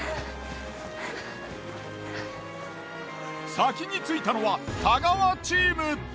先に着いたのは太川チーム。